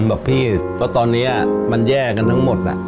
บอกพี่เพราะตอนนี้มันแย่กันทั้งหมด